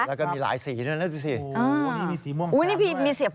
แล้วก็มีหลายสีด้วยนั่นนี่มีสีม่วงสีสำหรับ